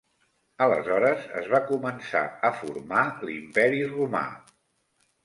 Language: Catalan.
Aleshores es va començar a formar l'Imperi Romà.